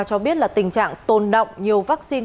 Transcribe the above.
cho biết là tình trạng tồn động nhiều vaccine